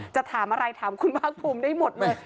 จะถามอะไรถามคุณภาคภูมิได้หมดเลย